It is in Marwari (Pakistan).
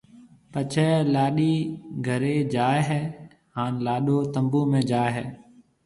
پڇيَ لاڏِي گھرَي جائيَ ھيََََ ھان لاڏو تنمبُو ۾ جائيَ ھيََََ